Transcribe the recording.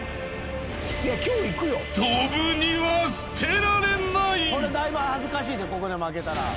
これだいぶ恥ずかしいでここで負けたら。